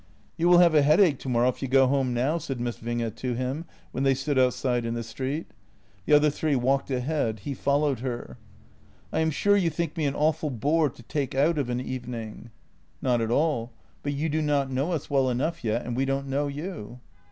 " You will have a headache tomorrow if you go home now," said Miss Winge to him, when they stood outside in the street. The other three walked ahead; he followed with her. " I am sure you think me an awful bore to take out of an evening." JENNY 29 " Not at all, but you do not know us well enough yet, and we don't know you."